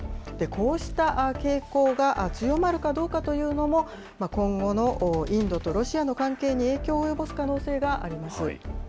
こうした傾向が強まるかどうかというのも、今後のインドとロシアの関係に影響を及ぼす可能性があります。